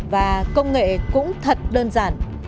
và công nghệ cũng thật đơn giản